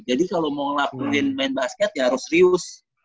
jadi kalo mau ngelakuin main basket ya harus serius